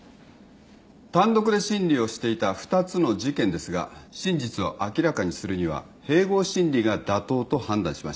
単独で審理をしていた２つの事件ですが真実を明らかにするには併合審理が妥当と判断しました。